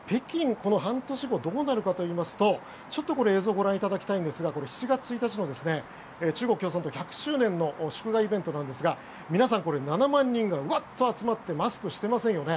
この半年後どうなるかといいますと映像をご覧いただきたいんですが７月１日の中国共産党１００周年の祝賀イベントですが皆さん７万人が集まってマスクをしていないですよね。